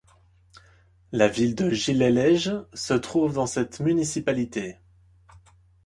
La ville de Gilleleje se trouve dans cette municipalité.